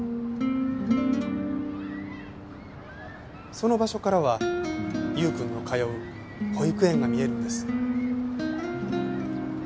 その場所からは優くんの通う保育園が見えるんです。